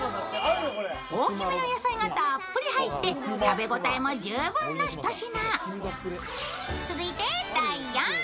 大きめの野菜がたっぷり入って食べ応えも十分な一品。